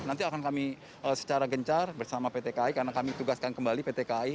nanti akan kami secara gencar bersama pt kai karena kami tugaskan kembali pt kai